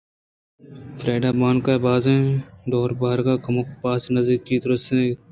فریڈا ءُبانک ءِ بازیں ڈوبارگ ءَ آ کموکیں باز نزّیکی ءَ تُرسگ ءَ اَت